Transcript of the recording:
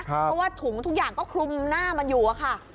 เพราะว่าถุงทุกอย่างก็คลุมหน้ามันอยู่อะค่ะ